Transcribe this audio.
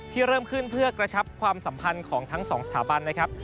เริ่มขึ้นเพื่อกระชับความสัมพันธ์ของทั้งสองสถาบันนะครับ